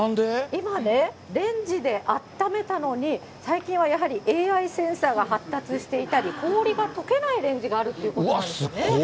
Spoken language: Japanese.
今ね、レンジであっためたのに、最近はやはりＡＩセンサーが発達していたり、氷がとけないレンジがあるっていうことなんですよね。